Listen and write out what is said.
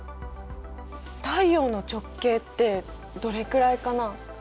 太陽の直径ってどれくらいかな？